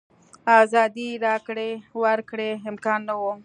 ازادې راکړې ورکړې امکان نه و.